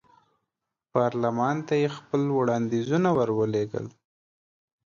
پارلمان ته یې خپل وړاندیزونه ور ولېږل.